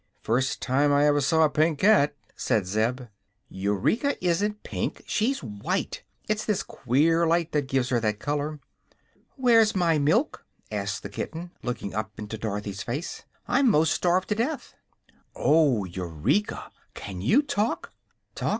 "First time I ever saw a pink cat," said Zeb. "Eureka isn't pink; she's white. It's this queer light that gives her that color." "Where's my milk?" asked the kitten, looking up into Dorothy's face. "I'm 'most starved to death." "Oh, Eureka! Can you talk?" "Talk!